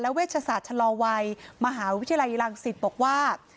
และเวชศาสตร์ธรรมวัยมหาวิทยาลัยรังสิทธิ์บอกว่า